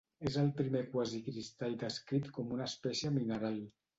És el primer quasicristall descrit com una espècie mineral.